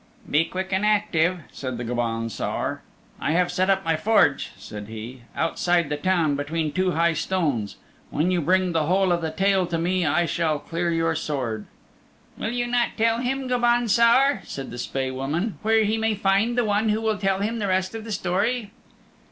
"Be quick and active," said the Gobaun Saor. "I have set up my forge," said he, "outside the town between two high stones. When you bring the whole of the Tale to me I shall clear your sword." "Will you not tell him, Gobaun Saor," said the Spae Woman, "where he may find the one who will tell him the rest of the story?"